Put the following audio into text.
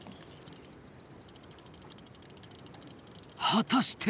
果たして。